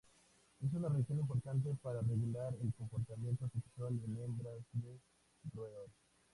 Es una región importante para regular el comportamiento sexual en hembras de roedor.